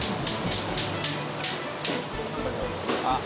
あっ！